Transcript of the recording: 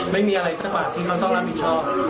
ไม่มีอะไรสมบัติที่เขาต้องเราเป็นผิดชอบ